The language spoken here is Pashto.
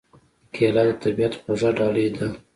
کېله د طبیعت خوږه ډالۍ ده.